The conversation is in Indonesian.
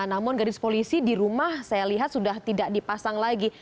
namun gadis polisi di rumah saya lihat sudah tidak dipasang lagi